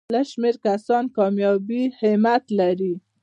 د لږ شمېر کسانو کامیابي اهمیت لري.